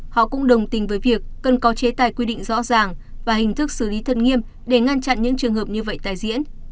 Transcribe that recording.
họ cũng đồng tình với việc cần có chế tài quy định rõ ràng và hình thức xử lý thân nghiêm để ngăn chặn những trường hợp như vậy tài diễn